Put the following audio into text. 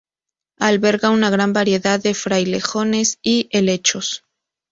Alberga una gran variedad de frailejones y helechos.